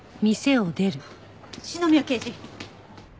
篠宮刑事。